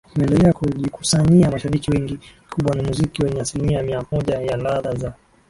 umeendelea kujikusanyia mashabiki wengi Kikubwa ni muziki wenye asilimia mia moja ya ladha za